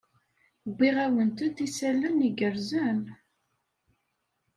Wwiɣ-awent-d isalan igerrzen.